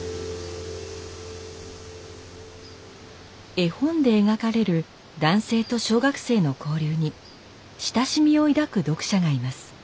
絵本で描かれる男性と小学生の交流に親しみを抱く読者がいます。